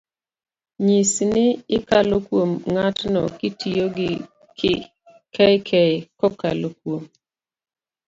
nyis ni ikalo kuom ng'atno kitiyo gi kk-kokalo kuom,